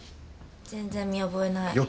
全然見覚えない。